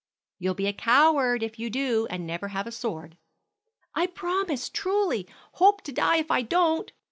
You'll be a coward if you do, and never have a sword." "I promise truly; hope to die if I don't!"